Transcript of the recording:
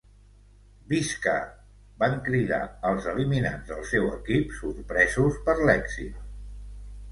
Visca! —van cridar els eliminats del seu equip, sorpresos per l'èxit—